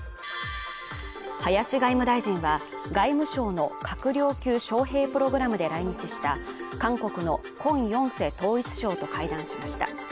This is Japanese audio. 林外務大臣は外務省の閣僚級招へいプログラムで来日した韓国のクォン・ヨンセ統一相と会談しました。